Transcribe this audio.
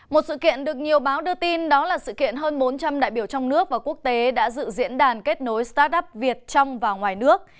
một sự kiện được nhiều báo đưa tin đó là sự kiện hơn bốn trăm linh đại biểu trong nước và quốc tế đã dự diễn đàn kết nối start up việt trong và ngoài nước